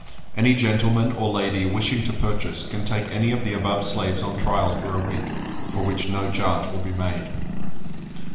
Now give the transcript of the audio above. Any gentleman or lady wishing to purchase, can take any of the above slaves on trial for a week, for which no charge will be made."